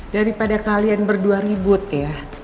daripada kalian berdua ribut ya